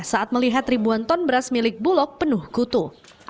saat melihat ribuan ton beras milik bulog penuh kutu